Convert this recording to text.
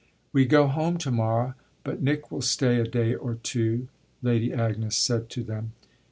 "We go home to morrow, but Nick will stay a day or two," Lady Agnes said to them.